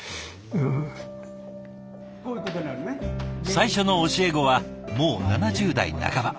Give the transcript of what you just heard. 最初の教え子はもう７０代半ば。